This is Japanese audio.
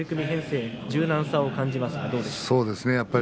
編成柔軟さを感じますね。